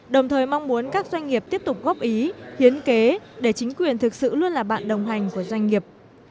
đồng thời mong muốn các doanh nghiệp tiếp tục góp ý hiến kế để chính quyền thực sự luôn là bạn đồng hành của doanh nghiệp